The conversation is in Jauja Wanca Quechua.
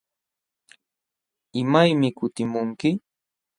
¿Imaymi kutimunki?